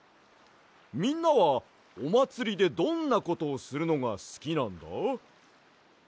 みんなはおまつりでどんなことをするのがすきなんだ？